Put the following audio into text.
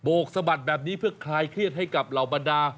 กสะบัดแบบนี้เพื่อคลายเครียดให้กับเหล่าบรรดา